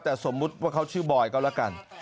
แต่สมมุติว่าเขาชื่อบอยก็แล้วกัน